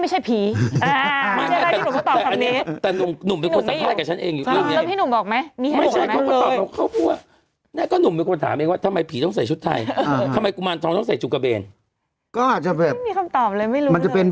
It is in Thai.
นี่ถ้าพี่หนุ่มนั่งอยู่นี่พี่หนุ่มจะตอบว่าพี่ก็ไม่รู้เพราะพี่ไม่ใช่ผี